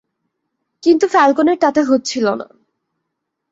কিন্তু ফ্যালকোনের তাতে হচ্ছিল না।